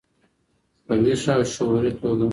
په ویښه او شعوري توګه.